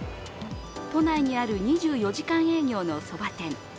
都内にある２４時間営業のそば店。